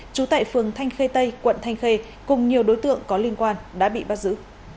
trú tại phường thanh khê tây quận thanh khê cùng nhiều đối tượng có liên quan đã bị bắt giữ